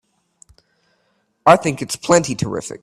I think it's plenty terrific!